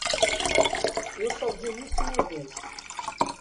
Eu só vi isso uma vez.